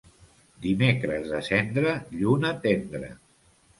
Dimecres de Cendra, lluna tendra.